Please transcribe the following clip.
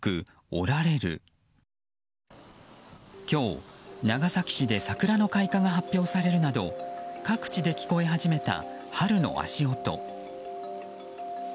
今日、長崎市で桜の開花が発表されるなど各地で聞こえ始めた春の足音。